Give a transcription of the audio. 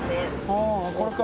ああこれか。